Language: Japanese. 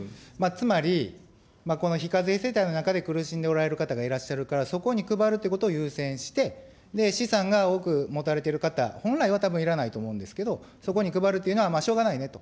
つまり、この非課税世帯の中で苦しんでおられる方がいらっしゃるから、そこに配るということを優先して、資産が多く持たれている方、本来はたぶん、いらないと思うんですけど、そこに配るというのはしょうがないねと。